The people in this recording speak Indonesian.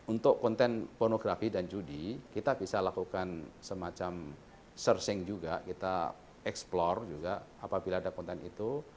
untuk konten pornografi dan judi kita bisa lakukan semacam searching juga kita explore juga apabila ada konten itu